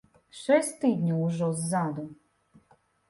Шэсць тыдняў ўжо ззаду.